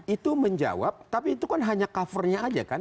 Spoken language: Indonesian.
itu menjawab tapi itu kan hanya covernya aja kan